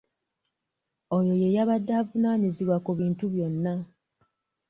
Oyo ye yabadde evunaanyizibwa ku bintu byonna.